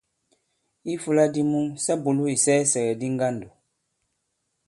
I ifūla di mu, sa bùlu isɛɛsɛ̀gɛ̀di ŋgandò.